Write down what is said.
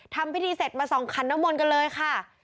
ทำพิธีเสร็จมาส่องขันน้ำมนต์กันเลยค่ะ